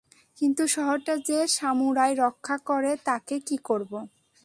কিন্তু শহরটা যে সামুরাই রক্ষা করে তাকে কি করব?